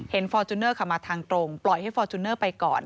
เห็นฟอร์จุนเนอร์เข้ามาทางตรงปล่อยให้ฟอร์จุนเนอร์ไปก่อน